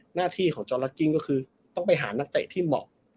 หน้าที่ของจอร์ลักกิ้งก็คือต้องไปหานักเตะที่เหมาะ